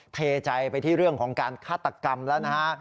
เทใจไปที่เรื่องของการฆาตกรรมแล้วนะฮะ